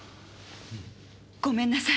ごめんなさい！